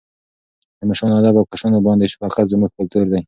د مشرانو ادب او کشرانو باندې شفقت زموږ کلتور دی.